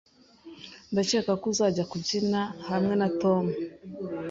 Ndakeka ko uzajya kubyina hamwe na Tom